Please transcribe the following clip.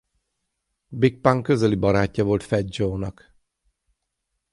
Big Pun közeli barátja volt Fat Joe-nak.